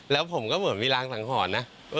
แล้วผมก็เหมือนมีรางสังหรณ์นะ